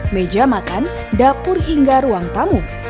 meja makan dapur hingga ruang tamu